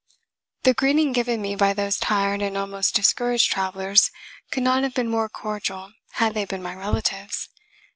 The greeting given me by those tired and almost discouraged travelers could not have been more cordial had they been my relatives.